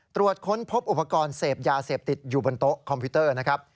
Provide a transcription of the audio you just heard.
ตรวจค้นพบอุปกรณ์เสพยาเสพติดอยู่บนโต๊ะคอมพิวเตอร์นะครับ